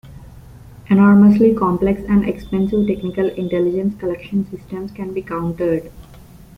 Enormously complex and expensive technical intelligence collection systems can be countered.